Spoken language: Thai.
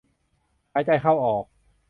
หายใจเข้าออก